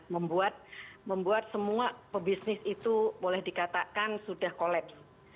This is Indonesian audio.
membuat semua pebisnis itu boleh dikatakan sudah collap